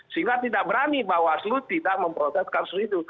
sehingga tidak berani bahwa seluruh tidak memproses kasus itu